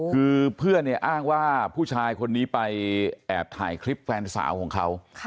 คือเพื่อนเนี่ยอ้างว่าผู้ชายคนนี้ไปแอบถ่ายคลิปแฟนสาวของเขา